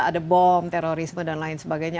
ada bom terorisme dan lain sebagainya